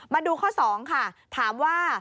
มาดูข้อ๒ค่ะถามว่า